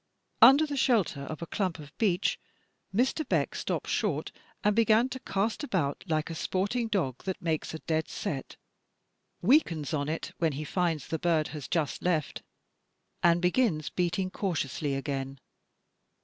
Under the shelter of a clump of beech, Mr. Beck stopped short and began to cast about like a sporting dog that makes a dead set, weakens on it when he finds the bird has just left, and begins beating cautiously again.